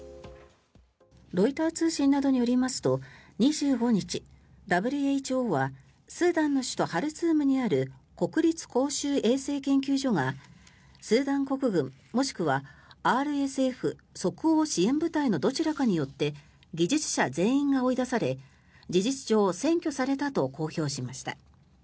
ロイター通信などによりますと２５日、ＷＨＯはスーダンの首都ハルツームにある国立公衆衛生研究所がスーダン国軍もしくはＲＳＦ・即応支援部隊のどちらかによって技術者全員が追い出され事実上占拠されたと公表しました。